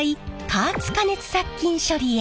加圧加熱殺菌処理へ。